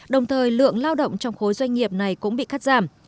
đồng thời lượng lao động trong khối doanh nghiệp này cũng bị cắt giảm